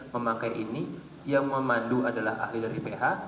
memakai ini yang memandu adalah ahli dari ph